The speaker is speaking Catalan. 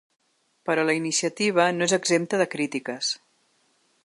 Però la iniciativa no és exempta de crítiques.